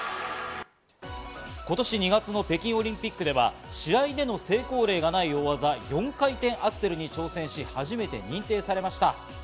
今年２月の北京オリンピックでは試合での成功例がない大技、４回転アクセルに挑戦し、初めて認定されました。